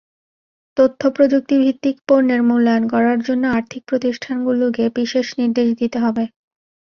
তথ্যপ্রযুক্তিভিত্তিক পণ্যের মূল্যায়ন করার জন্য আর্থিক প্রতিষ্ঠানগুলোকে বিশেষ নির্দেশ দিতে হবে।